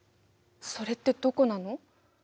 それってどこなの？